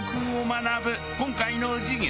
今回の授業。